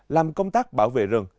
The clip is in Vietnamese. làm công tác bảo vệ rừng